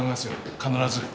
必ず。